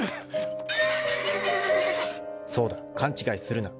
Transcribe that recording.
［そうだ勘違いするな。